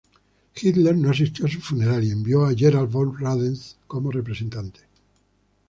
Hitler no asistió a su funeral y envió a Gerd von Rundstedt como representante.